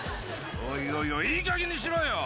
おいおい、いいかげんにしろよ。